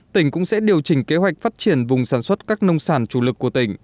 tỉnh cũng sẽ điều chỉnh kế hoạch phát triển vùng sản xuất các nông sản chủ lực của tỉnh